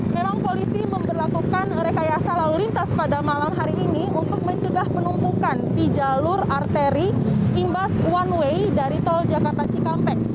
memang polisi memperlakukan rekayasa lalu lintas pada malam hari ini untuk mencegah penumpukan di jalur arteri imbas one way dari tol jakarta cikampek